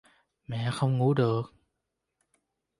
Mẹ không ngủ được